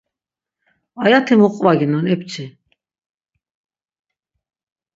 Ayati mu qvaginon epçi?